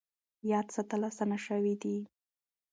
یاد ساتل اسانه شوي دي.